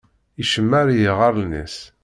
Icemmeṛ i yiɣallen-is.